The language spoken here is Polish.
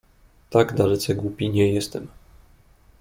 "Tak dalece głupi nie jestem."